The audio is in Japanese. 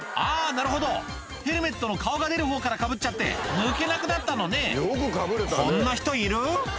なるほどヘルメットの顔が出る方からかぶっちゃって抜けなくなったのねこんな人いる？